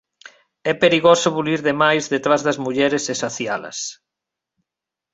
É perigoso bulir de máis detrás das mulleres e sacialas.